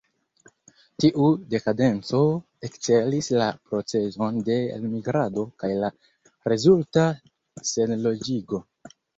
Tiu dekadenco akcelis la procezon de elmigrado kaj la rezulta senloĝigo.